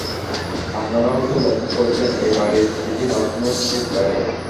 আপনারা হয়তো লক্ষ করেছেন, এ-বাড়ির প্রতিটি বাথরুমের সুইচ বাইরে।